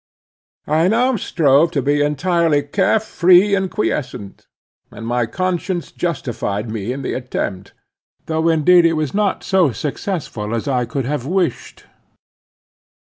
I now strove to be entirely care free and quiescent; and my conscience justified me in the attempt; though indeed it was not so successful as I could have wished.